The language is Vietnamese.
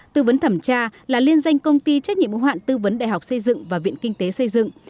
tư vấn thẩm tra là liên danh công ty trách nhiệm mô hạn tư vấn đại học xây dựng và viện kinh tế xây dựng